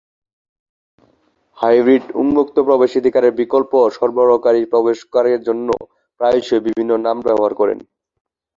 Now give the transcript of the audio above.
Hybrid উন্মুক্ত প্রবেশাধিকারের বিকল্প সরবরাহকারী প্রকাশকরা এর জন্য প্রায়শই বিভিন্ন নাম ব্যবহার করেন।